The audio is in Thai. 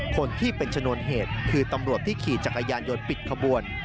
คนที่เป็นชนวนเหตุคือตำรวจที่ขี่จักรยานยนต์ปิดขบวน